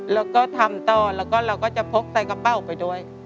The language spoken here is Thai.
แล้วก็ทำต่อแล้วก็เราก็จะพกใส่กระเป๋าไปด้วย